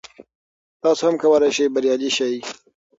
تاسو هم کولای شئ بریالي شئ.